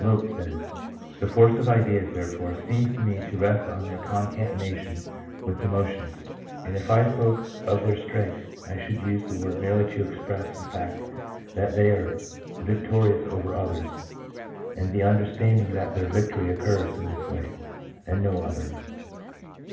Lotze says, " The force of ideas, therefore, seems to me to rest on their concatenation with emotions ; and if I spoke of their strength I should use the word merely to express the fact that they are victorious over others, and the understanding that their victory occurs in this way, and no other."